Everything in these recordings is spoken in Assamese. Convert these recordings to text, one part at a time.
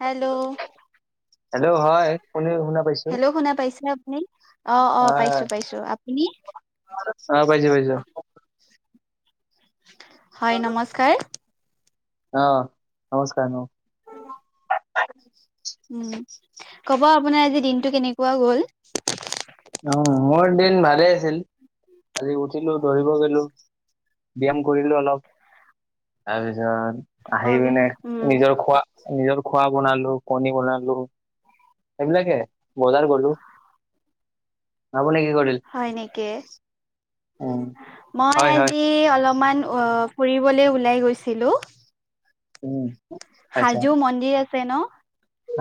হেল্ল' হেল্ল' হয় আপুনি শুনা পাইছো হেল্ল' শুনা পাইছে নে আপুনি অ অ আহ পাইছোঁ পাইছোঁ আপুনি পাইছোঁ পাইছোঁ হয় নমস্কাৰ অ নমস্কাৰ উম ক'ব আপোনাৰ আজি দিনটো কেনেকুৱা গ'ল অ মোৰ দিন ভালেই আছিল আজি উঠিলোঁ দৌৰিব গ'লোঁ। ব্যয়াম কৰিলো অলপ তাৰপিছত আহি অকে পিনে উম, নিজৰ খোৱা নিজৰ খোৱা বনালোঁ কণী বনালোঁ। সেইবিলাকে বজাৰ গ'লোঁ। আপুনি কি কৰিল, হয় নেকি? উম হয় হয়। এই অলপমান অ ফুৰিবলে ওলাই গৈছিলোঁ। উম আচ্ছা হাজো মন্দিৰ আছে ন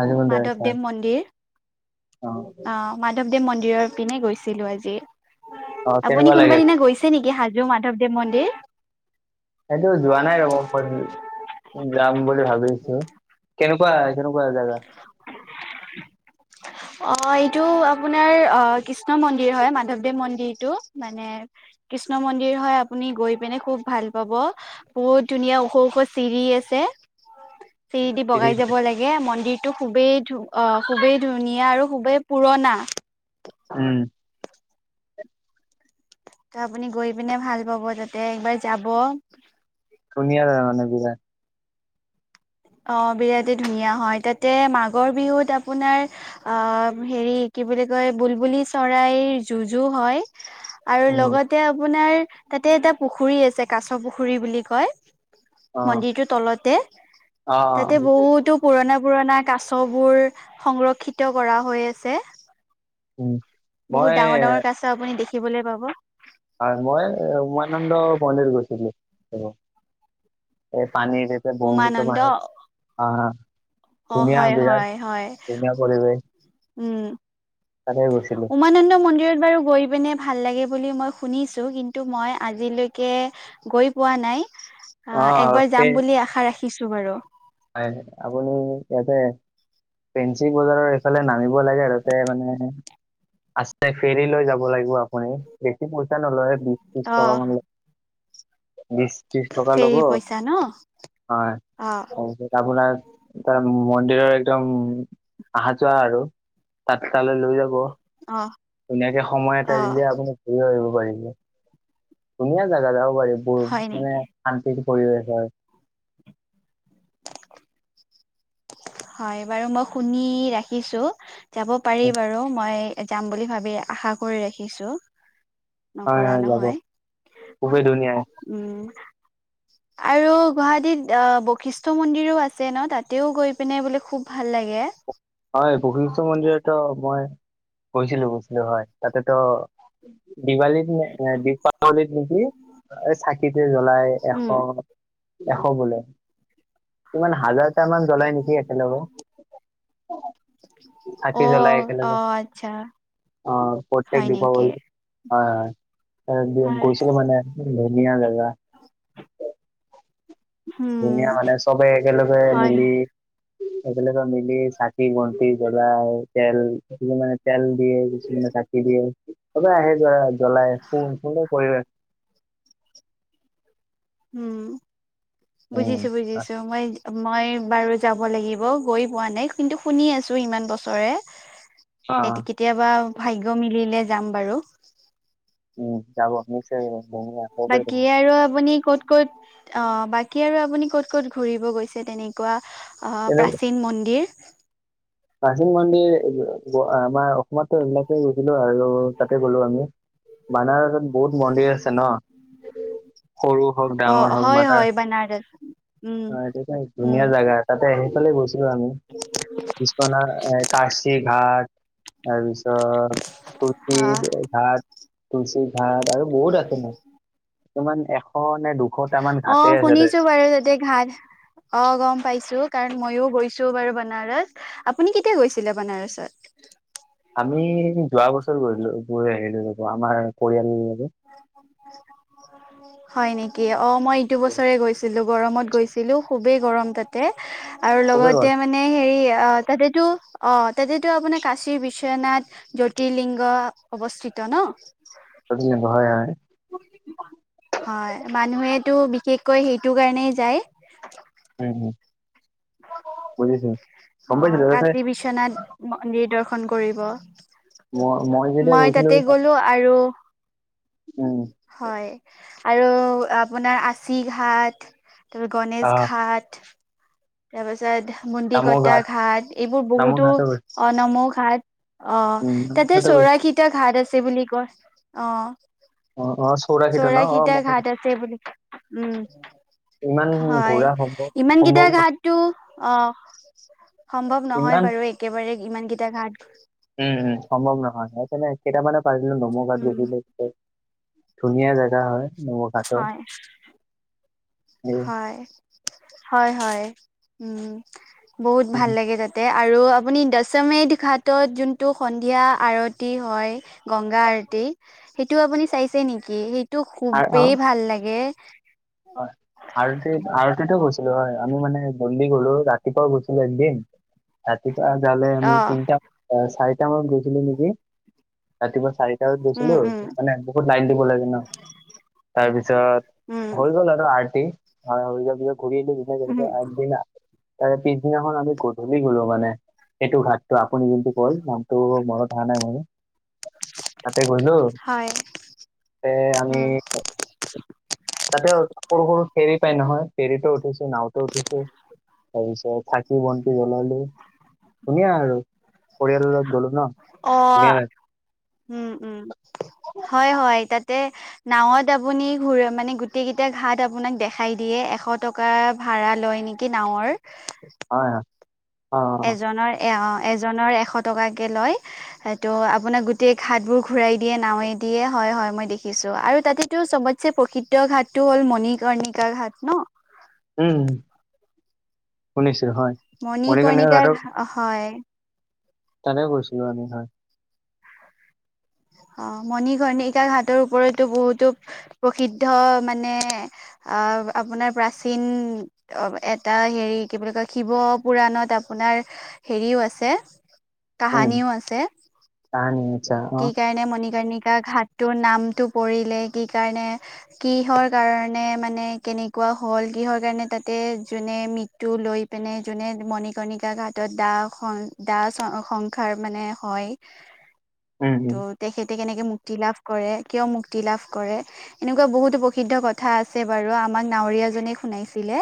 আজি মন্দিৰ আছা মাধৱদেৱ মন্দিৰ অ অহ মাধৱ দেৱ মন্দিৰৰ পিনে গৈছিলোঁ আজি অ কেনেকুৱা আপুনি কোনোবা লাগিল দিনা গৈছ গৈছে নেকি হাজো মাধৱদেৱ মন্দিৰ সেইটো যোৱা নাই ৰ'ব [unintelligible] যাম বুলি ভাবিছোঁ কেনেকুৱা কেনেকুৱা জেগা [unintelligible] অ এইটো আপোনাৰ অ কৃষ্ণ মন্দিৰ হয় মাধৱদেৱ মন্দিৰটো মানে কৃষ্ণ মন্দিৰ হয় আপুনি গৈ পিনে খুব ভাল পাব। বহুত ধুনীয়া ওখ ওখ চিৰি আছে। [inaudible] চিৰিদি বগাই যাব লাগে মন্দিৰটো খুবেই ধু অ খুবেই ধু ধুনীয়া আৰু খুবেই পুৰণা। উম ত' আপুনি গৈ পিনে ভাল পাব তাতে একবাৰ যাব। ধুনীয়া জেগা মানে বিৰাট অ বিৰাটেই ধুনীয়া হয় তাতে মাঘৰ বিহুত আপোনাৰ আহ হেৰি কি বুলি কয় বুলবুলি চৰাইৰ যুঁজু হয়। আৰু উম লগতে আপোনাৰ তাতে এটা পুখুৰী আছে কাছ পুখুৰী বুলি কয়। অ মন্দিৰটোৰ তলতে অ তাতে বহুতো পুৰণা, পুৰণা কাছবোৰ সংৰক্ষিত কৰা হৈ আছে। উম মই বহুত ডাঙৰ, ডাঙৰ কাছ আপুনি দেখিবলৈ পাব। হয়, মই এ উমানন্দ মন্দিৰ গৈছিলোঁ, অ' এই পানীৰ এতিয়া ব্ৰক্ষ্মপুত্ৰ পানীত হাঁ হাঁ। অঁ হয়, হয়, হয়, পৰিৱেশ উম। তাতে গৈছিলো। উমানন্দ মন্দিৰত বাৰু গৈ পিনে ভাল লাগে বুলি মই শুনিছোঁ, কিন্তু মই আজিলৈকে গৈ পোৱা নাই। অ', অ একবাৰ সেই যাম বুলি আশা ৰাখিছোঁ বাৰু। হয়, আপুনি ইয়াতে ফেঞ্চি বজাৰৰ সেফালে নামিব লাগে আৰু তে মানে, আচতে ফেৰী লৈ যাব লাগিব আপুনি বেছি পইচা নলয়, বিশ ত্ৰিশ অ টকামান লয়। বিচ ত্ৰিশ টকা ল'ব, হয়। অঁ তাপিছত আপোনাৰ, তাৰ মন্দিৰৰ একদম আহা যোৱা আৰু তাত তালৈ লৈ যাব। অঁ। ধুনীয়াকে সময় এটা দিলে আপুনি ঘূৰিও আহিব পাৰিব। ধুনীয়া জাগা যাব পাৰি, বহু হয় নেকি মানে শান্তিৰ পৰিৱেশ হয়। হয়, বাৰু মই শুনি ৰাখিছোঁ, যাব পাৰি বাৰু মই এ যাম বুলি ভাবি, আশা কৰি ৰাখিছোঁ। হয়, হয় যাব, খুবেই ধুনীয়া। উম। আৰু গুৱাহাটীত অ' বশিষ্ঠ মন্দিৰো আছে ন', তাতেও গৈ পিনে বুলে খুব ভাল লাগে। হয়, বশিষ্ঠ মন্দিৰতো মই গৈছিলোঁ, গৈছিলোঁ হয়। তাতে ত' দীৱালীত নে দীপাৱলীত নেকি, এ চাকি যে জ্বলাই উম এশ এশ বোলে। কিমান হাজাৰটা মান জ্বলাই নেকি একেলগে। [unintelligible] অ চাকি জ্বলায় অ একেলগে, আচ্ছা অঁ প্ৰত্যেক হয় নেকি দীপাৱলীত হয়, হয়। একদিন হয় গৈছিলোঁ মানে, ধুনীয়া জেগা। উম ধুনীয়া মানে, চ'বে একেলগে হয় মিলি হয় একলগে মিলি চাকি, বন্তি জ্বলায় তেল দিও মানে তেল দিয়ে, কিছুমানে চাকি দিয়ে, চ'বে আহে গৈ আৰু জ্বলাই সু সুন্দৰ পৰিৱেশ। উম, উম বুজিছোঁ, বুজিছোঁ। মই মই বাৰু যাব লাগিব। গৈ পোৱা নাই, কিন্তু শুনি আছোঁ ইমান বছৰে। এত অ'। কেতিয়াবা ভাগ্য মিলিলে যাম বাৰু। উম, যাব নিশ্চয় যাব, মই বোলো আকৌ গৈ বাকী আৰু আপুনি ক'ত ক'ত? অঁ, বাকী আৰু আপুনি ক'ত, ক'ত ঘূৰিব গৈছে তেনে কোৱা, কিন্তু প্ৰাচীন মন্দিৰ? প্ৰাচীন মন্দিৰ এই অ' আমাৰ অসমত' এইবিলাকেই গৈছিলোঁ আৰু তাতে গ'লোঁ আমি। বানাৰসত বহুত মন্দিৰ আছে ন'? সৰু হওঁক, অ' ডাঙৰ হওঁক হয় বানাৰ হয় অঁ, বানাৰস উম এইটো ত' উম ধুনীয়া জাগা তাতে সেইফালে গৈছিলোঁ আমি। বিশ্বনাথ এ কাশী ঘাট, তাৰপিছত কুলশী অ' ঘাট, তুলচী ঘাট আৰু বহুত আছে মান, কিছুমান এশ নে দু অ', শুনিছোঁ বাৰু তাতে ঘাট। অ', গম পাইছোঁ কাৰণ মইও গৈছোঁ বাৰু বানাৰাস। আপুনি কেতিয়া গৈছিলে বানাৰসত? আমি যোৱা বছৰ গৈছিলো, গৈ আহিলো আমাৰ পৰিয়ালৰ লগত। হয় নেকি? অ মই ইটো বছৰে গৈছিলো। গৰমত গৈছিলোঁ, খুবেই গৰম তাতে আৰু খুবেই ভাল লগতে মানে হেৰি অ তাতেতো অ তাতেতো আপোনাৰ কাশীৰ বিশ্বনাথ জ্যোতিলিংগ অৱস্থিত ন? [unintelligible] হয় হয়। হয়, মানুহেটো বিশেষকৈ সেইটো কাৰণেই যায়। উম হুম, বুজিছো। গম অ পাইছিলো তাতে কাশী বিশ্বনাথ মন্দিৰ দৰ্শন কৰিব। মই মই যেতিয়া গৈছিলো তাতে তাত গ'লো আৰু উম। হয় আৰু আপোনাৰ আচি ঘাট তাৰপৰা গণেশ আহ ঘাট তাৰপিছত মুন্দিকটা ঘাট এইবোৰ নামৰ বহুতো ঘাটত গৈছো অনম ঘাট অ উম নামৰ তাতে ঘাটত গৈছো চৌৰাশিটা ঘাট আছে বুলি কয় অ। অ অ চৌৰাশীটা ন, অ মই ক সেইবুলি, উম, ইমান হয় ঘূৰা সম্ভৱ ইমানকেইটা সম্ভৱ নহয় ঘাট টো অ, সম্ভৱ নহয় ইমান বাৰু একেবাৰে ইমান কেইটা ঘাট। উম উম সম্ভৱ নহয় সেইকাৰনে কেইটামানে পাইছিলো ধুমুঘাত উম [unintelligible] ধুনীয়া জেগা হয়। নৌ ঘাটৰ হয়। এই হয়, হয় হয়, উম বহুত ভাল লাগে তাত তে আৰু আপুনি দশমী দিঘাতত যোনটো সন্ধিয়া আৰতি হয় গংগা আৰতি সেইটো আপুনি চাইছে নেকি? সেইটো আৰু অ খুবেই ভাল লাগে। হয়, আৰতিত আৰতিতো গৈছিলো হয়, আমি মানে জলদি গলো ৰাতিপুৱাও গৈছিলো একদিন ৰাতিপুৱা যাওলে আমি অ তিনটা এ চাৰিটামানত গৈছিলো নেকি? ৰাতিপুৱা চাৰি- টাত উম গৈছিলো উম মানে বহুত লাইন দিব লাগে ন তাৰপিছত উম হৈ গ'ল আৰু আৰটি [unintelligible] ঘূৰি উম আহিলোঁ [unintelligible] আগদিনা তাৰ পিছদিনাখন আমি গধূলি গলো মানে। এইটো ঘাটটো আপুনি যোনটো কয় নামটো মনত অহা নাই মানে। তাতে গলো, হয় তাতে আমি উম তাতে সৰু - সৰু ফেৰী পায় নহয়, ফেৰীতো উঠিছো, নাওতো উঠিছো তাৰপিছত চা কি বন্তি জ্বলালো, ধুনীয়া আৰু পৰিয়ালৰ লগত গলো ন, অ ধুনীয়া লাগ উম উম, হয় হয় তাতে নাৱত আপুনি ঘূৰি মানে গোটেইকেইটা ঘাট আপোনাক দেখাই দিয়ে এশ টক কা ভাড়া লয় নেকি নাৱৰ? হয়। অ অ অ। এজনৰ এ অ এজনৰ এশ টকাকে লয়। সেইটো আপোনাক গোটেই ঘাটবোৰ ঘুৰাই দিয়ে নাৱে দিয়ে হয় হয় মই দেখিছো আৰু তাতেতো চবত চে প্ৰসিদ্ধ ঘাটটো হ'ল মণিকৰ্ণিকা ঘাট ন? উম শুনিছোঁ হয়। মণি মণিকৰ্ণিকা কৈনিকাক, হয়। তালে গৈছিলো আমি হয়। অ মণি কণিকাক হাটৰ ওপৰতো বহুতো প্ৰসিদ্ধ মানে আহ আপোনাৰ প্ৰাচীন অ এটা হেৰি কি বুলি কয় শিৱ পুৰাণত আপোনাৰ হেৰিও আছে উম কাহানিও আছে। কাহানী [inaudible] কি কাৰণে মণিকাৰ্ণিকা ঘাতটোৰ নামটো পৰিলে, কি কাৰণে কিহৰ কাৰণে মানে কেনেকুৱা হ'ল কিহৰ কাৰণে তাতে যোনে মৃ ত্যু লৈ পিনে যোনে মণিকৰ্ণিকা ঘাটত দা খন দা চং খন খাৰ মানে হয়। উম ত উম তেখেতে কেনেকে মুক্তি লাভ কৰে, কিয় মুক্তি লাভ কৰে। এনেকুৱা বহুতো প্ৰসিদ্ধ কথা আছে বাৰু, আমাক নাৱৰীয়া জনে শুনাইছিলে।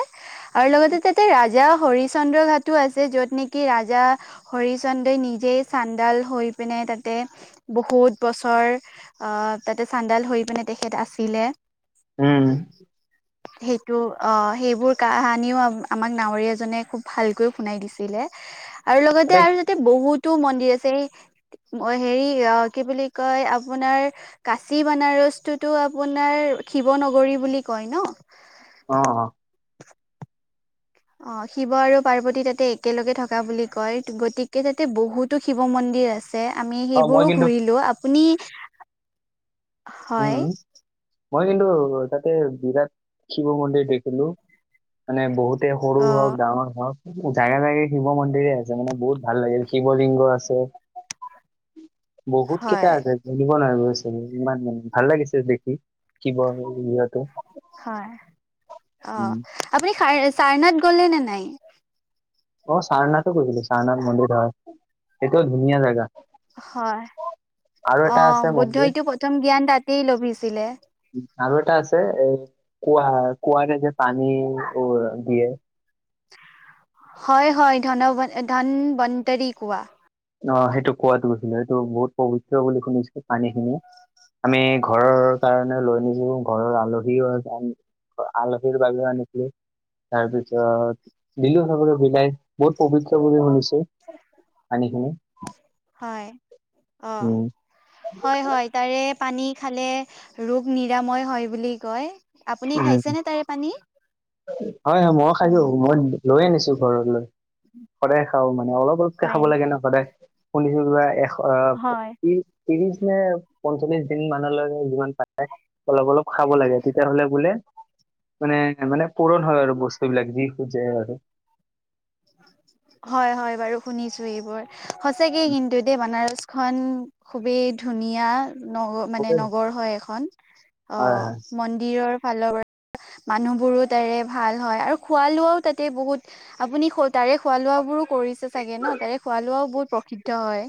আৰু লগতে তাতে ৰাজা হৰিশচন্দ্ৰ ঘাটো আছে যত নেকি ৰাজা হৰিচন্দ্ৰই নিজেই চান্দাল হৈ পিনে তাতে বহুত বছৰ আহ তাতে চান্দাল হৈ পিনে তেখেত আছিলে। উম। সেইটো অ সেইবোৰ কাহানীও আমাক নাৱৰীয়া জনে খুব ভালকৈ শুনাই দিছিলে। [unintelligible] আৰু লগতে আৰু তাতে বহুতো মন্দিৰ আছে, এই অ হেৰি অ কি বুলি কয় আপোনাৰ কাচী বানাৰসটোতো আপোনাৰ শিৱ নগৰী বুলি কয় ন? অহ অ। অ শিৱ আৰু পাৰ্বতী তাতে একেলগে থকা বুলি কয়, গতিকে তাতে বহুতো শিৱ মন্দিৰ আছে। আছে আমি অ মই সেইবোৰো কিন্তু ঘুৰিলো আপুনি হয় উম। মই কিন্তু তাতে বিৰাট শিৱ মন্দিৰ দেখিলো, মানে বহুত তে সৰু অ হওক ডাঙৰ হওক জাগাই জাগাই শিৱ মন্দিৰে আছে মানে বহুত ভাল লাগিল শিৱ লিংগ আছে। বহুত কেইটা হয় আছে গনিব নোৱাৰিব ছাগে ইমান মানে। ভাল লাগিছে দেখি শিৱ লিংগটো। হয় অ, আপুনি সাৰ চাই নাথ গলে নে নাই? অ চাৰনাথো কৈছিলো চাৰনাথ মন্দিৰ ধৰ, এইটোও ধুনীয়া জেগা। হয়, আৰু অ এটা আছে মন্দিৰ বুদ্ধইটো প্ৰথম জ্ঞান তাতেই লভিছিলে। আৰু এটা আছে এই কুৱা কুৱাৰে যে পানী অ দিয়ে। হয় হয় ধন ব ধান বান্তৰী কোৱা। অ সেইটো কুৱাতো গৈছিলো, এইটো বহুত পৱিত্ৰ বুলি শুনিছো পানী খিনি। আমি ঘৰৰ কাৰণে লৈ আনিছো ঘৰৰ আলহীও [inaudible] আলহীৰ বাবেও আনিছো। তাৰ পিছত দিলো চবকে বিলাই বহুত পৱিত্ৰ বুলি শুনিছোঁ পানীখিনি। হয়, অ। উম হয় হয় তাৰে পানী খালে ৰোগ নিৰাময় হয় বুলি কয়। আপুনি উ, খাইছেনে তাৰে পানী? হয় হয় মইও খাইছো উম। মই লৈ আনিছো ঘৰলৈ সদায় খাওঁ মানে অলপ অলপকে হয় খাব লাগে ন সদায়। শুনিছো [unintelligible] কিবা এশ হয়। ত্ৰিশ নে পঞ্চল্লিশ দিন মানলৈকে যিমান পাই অলপ অলপ খাব লাগে তেতিয়াহ'লে বোলে মানে, মানে পূৰণ হয় আৰু বস্তু বিলাক যি খোজে আৰু। হয়, হয় বাৰু শুনিছোঁ এইবোৰ সঁচাকে কিন্তু দেই বানাৰচ খন খুবেই ধুনীয়া। নগ মানে হয় নগৰ হয় এখন অ হয় মন্দিৰৰ ফালৰ পৰা মানুহ বোৰো তাৰে ভাল হয় আৰু খোৱা লোৱাও তাতে বহুত আপুনি তাৰে খোৱা লোৱা বোৰো কৰিছে চাগে ন, তাৰে খোৱা লোৱাও বহুত প্ৰসিদ্ধ হয়।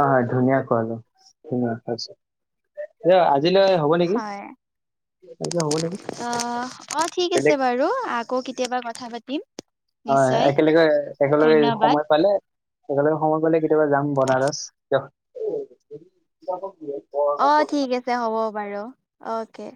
অ', হয় ধুনীয়া খোৱা লোৱা ধুনীয়া। আজিলৈ হ'ব নেকি হয়, আজিলৈ হ'ব নেকি অ', অ', ঠিক আছে বেলেগ বাৰু। আকৌ কেতিয়াবা কথা পাতিম। হয়, নিশ্চয়। একেলগে, একেলগে ধন্যবাদ। সময় পালে একেলগে সময় পালে কেতিয়াবা যাম বনাৰস দিয়ক। অ', ঠিক আছে হ'ব বাৰু, অকে।